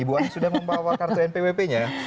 ibu ani sudah membawa kartu npwp nya